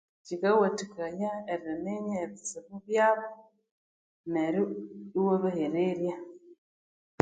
Kyikawathikaya eriminya ebitsibu byabo neryo iwabaherererya.